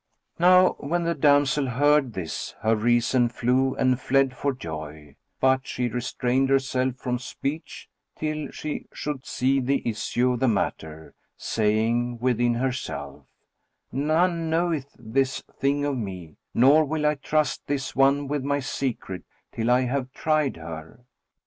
Now when the damsel heard this, her reason flew and fled for joy; but she restrained herself from speech till she should see the issue of the matter, saying within herself, "None knoweth this thing of me, nor will I trust this one with my secret, till I have tried her."